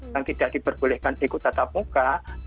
yang tidak diperbolehkan ikut tatap muka